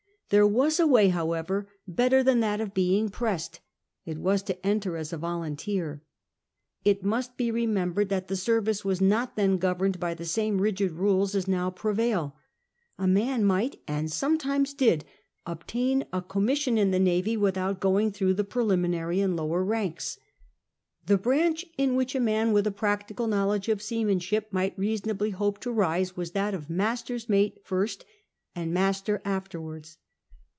There was a way, however, better than that of being pressed: it was to enter as a volunteer. It must be remembered that the service was not then governed by the same rigid rules as now prevail. A man might, and sometimes did, obtain a commission in the navy without going through the preliminary and lower ranks. The branch in which a man with a practical knowledge of seamanship might reasonably hope to rise was that of master's mate first and master afterwards.